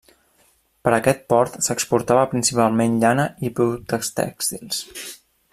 Per aquest port s'exportava principalment llana i productes tèxtils.